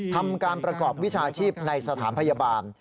ทำการประกอบวิชาชีพในสถานพยาบาล